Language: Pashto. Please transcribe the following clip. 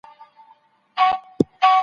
زه بايد ښوونځي ته ولاړ سم.